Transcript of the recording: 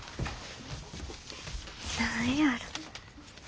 何やろ。